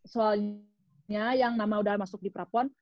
soalnya yang nama udah masuk di prapon